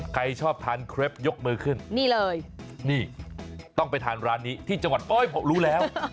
ใครชอบทานเครปยกมือขึ้นนี่เลยนี่ต้องไปทานร้านนี้ที่จังหวัดโอ๊ยผมรู้แล้ว